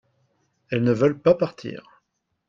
elles ne veulent pas partir.